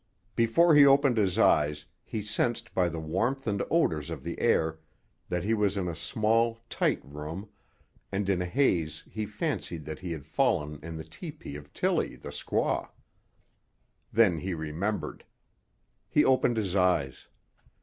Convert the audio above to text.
Before he opened his eyes he sensed by the warmth and odours of the air that he was in a small, tight room, and in a haze he fancied that he had fallen in the tepee of Tillie, the squaw. Then he remembered. He opened his eyes.